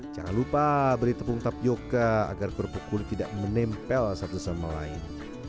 jangan lupa beri tepung tapioca agar kerupuk kulit tidak menempel satu sama lain